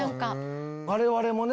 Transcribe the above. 我々もね